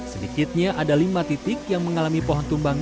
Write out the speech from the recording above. sedikitnya ada lima titik yang mengalami pohon tumbang